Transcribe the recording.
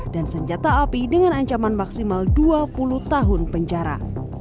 dan senjata api dengan ancaman maksimal dua puluh tahun penjara